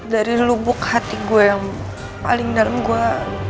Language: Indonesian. dari lubuk hati gue yang paling dalam gue